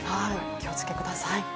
お気をつけください。